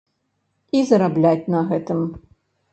І зарабляць на гэтым.